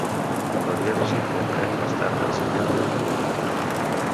La diòcesi comprèn tot l'estat mexicà de Guerrero.